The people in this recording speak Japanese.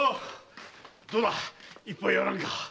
どうだ一杯やらんか？